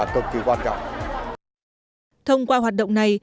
thông qua hoạt động này